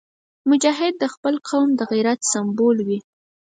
مجاهد د خپل قوم د غیرت سمبول وي.